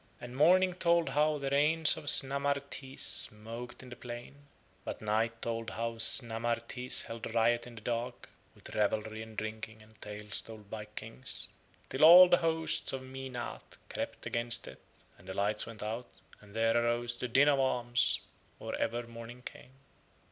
And Morning told how the rains of Snamarthis smoked in the plain, but Night told how Snamarthis held riot in the dark, with revelry and drinking and tales told by kings, till all the hosts of Meenath crept against it and the lights went out and there arose the din of arms or ever Morning came.